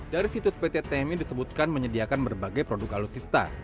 dari situs pt tmi disebutkan menyediakan berbagai produk alutsista